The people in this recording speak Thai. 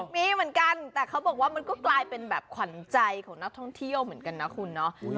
มีเหมือนกันแต่เขาบอกว่ามันก็กลายเป็นแบบขวัญใจของนักท่องเที่ยวเหมือนกันนะคุณเนาะ